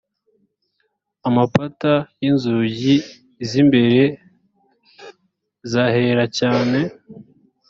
amapata y inzugi z imbere z ahera cyane